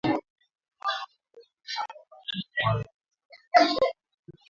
Wa mama wana ongeza nguvu ndani ya urimaji